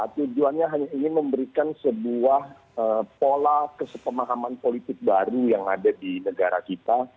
tujuannya hanya ingin memberikan sebuah pola kesepemahaman politik baru yang ada di negara kita